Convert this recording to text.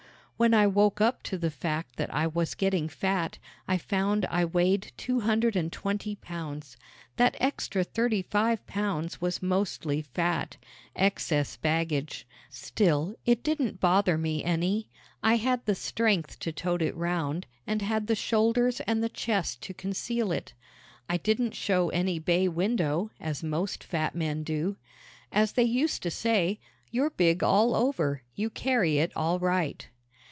When I woke up to the fact that I was getting fat I found I weighed two hundred and twenty pounds. That extra thirty five pounds was mostly fat excess baggage. Still, it didn't bother me any. I had the strength to tote it round and had the shoulders and the chest to conceal it. I didn't show any bay window, as most fat men do. As they used to say: "You're big all over. You carry it all right."